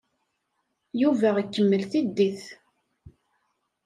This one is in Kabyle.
Yuba ikemmel tiddit.